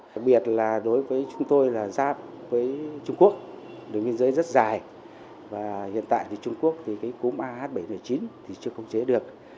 đặc biệt là đối với chúng tôi là giáp với trung quốc đường viên giới rất dài và hiện tại trung quốc thì cúm ah bảy trăm một mươi chín chưa khống chế được